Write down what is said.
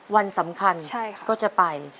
วันสำคัญก็จะไป